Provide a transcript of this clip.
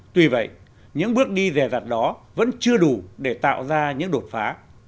tuy vậy những bước đi rè rặt đó vẫn chưa đủ để tạo ra những đột phá